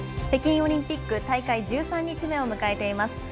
北京オリンピック大会１３日目を迎えています。